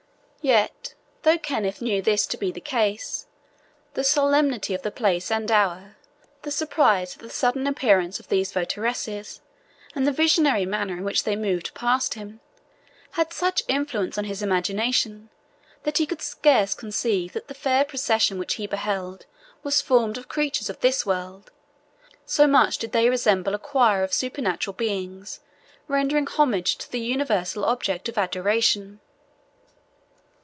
Yet, though Kenneth knew this to be the case, the solemnity of the place and hour, the surprise at the sudden appearance of these votaresses, and the visionary manner in which they moved past him, had such influence on his imagination that he could scarce conceive that the fair procession which he beheld was formed of creatures of this world, so much did they resemble a choir of supernatural beings, rendering homage to the universal object of adoration.